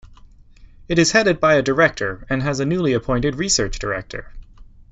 It is headed by a Director, and has a newly appointed Research Director.